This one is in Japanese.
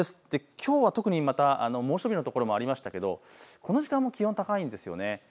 きょうは特に猛暑日の所もありましたけどこの時間も気温、高いんです。